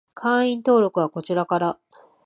会員登録はこちらから